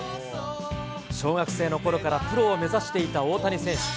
小学生のころからプロを目指していた大谷選手。